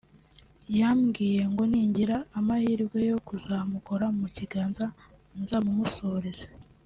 yarambwiye ngo ningira amahirwe yo kuzamukora mu kiganza nzamumusuhurize